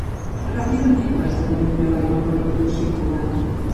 Ràpidament va esdevenir un heroi de la revolució cubana.